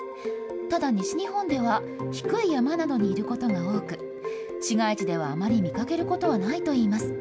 ただ西日本では、低い山などにいることが多く、市街地ではあまり見かけることはないといいます。